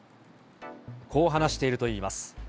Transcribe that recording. こう話しているといいます。